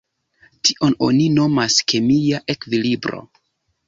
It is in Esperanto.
Tion oni nomas kemia ekvilibro.